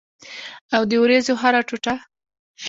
او د اوریځو هره ټوټه